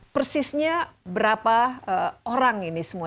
persisnya berapa orang ini semua